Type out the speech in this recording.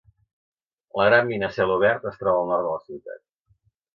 La gran mina a cel obert es troba al nord de la ciutat.